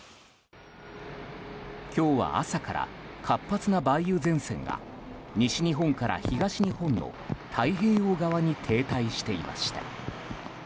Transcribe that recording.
今日は朝から活発な梅雨前線が西日本から東日本の太平洋側に停滞していました。